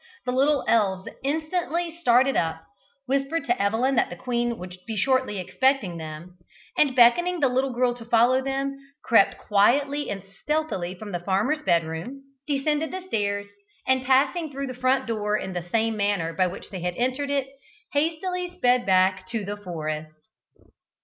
The little elves instantly started up, whispered to Evelyn that the queen would be shortly expecting them, and beckoning the little girl to follow them, crept quietly and stealthily from the farmer's bedroom, descended the stairs, and passing through the front door in the same manner by which they had entered it, hastily sped back to the forest.